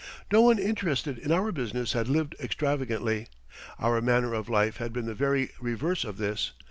No one interested in our business had lived extravagantly. Our manner of life had been the very reverse of this.